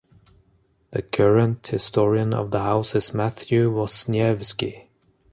The current Historian of the House is Matthew Wasniewski.